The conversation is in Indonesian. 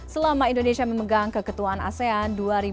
selama indonesia memegang keketuaan asean dua ribu dua puluh